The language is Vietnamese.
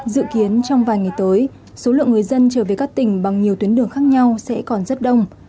dự kiến trong vài ngày tới số lượng người dân trở về các tỉnh bằng nhiều tuyến đường khác nhau sẽ còn rất đông